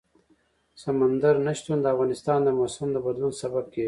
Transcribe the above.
سمندر نه شتون د افغانستان د موسم د بدلون سبب کېږي.